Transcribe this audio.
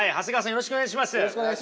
よろしくお願いします。